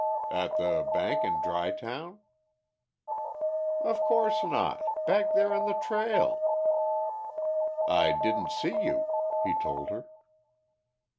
"At the bank in Dry Town?" "Of course not. Back there on the trail." "I didn't see you," he told her.